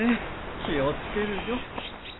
気を付けるよ。